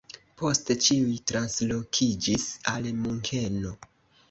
Poste ĉiuj translokiĝis al Munkeno.